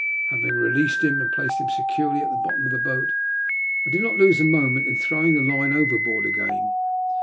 Having released him and placed him securely at the bottom of the boat, I did not lose a moment in throwing the line over board again.